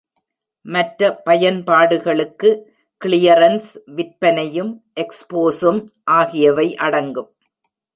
மற்ற பயன்பாடுகளுக்கு கிளியரன்ஸ் விற்பனையும் எக்ஸ்போஸும் ஆகியவை அடங்கும்.